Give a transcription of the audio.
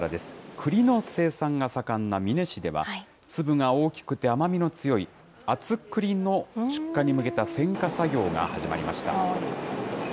くりの生産が盛んな美祢市では、粒が大きくて甘みの強い、厚保くりの出荷に向けた選果作業が始まりました。